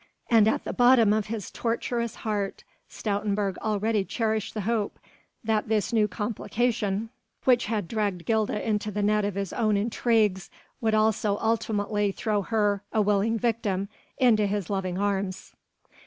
And at the bottom of his tortuous heart Stoutenburg already cherished the hope that this new complication which had dragged Gilda into the net of his own intrigues would also ultimately throw her a willing victim into his loving arms.